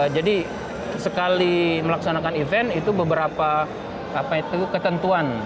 jadi sekali melaksanakan event itu beberapa ketentuan